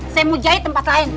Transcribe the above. saya mau jahit tempat lain